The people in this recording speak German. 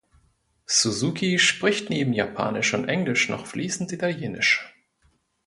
Suzuki spricht neben Japanisch und Englisch noch fließend Italienisch.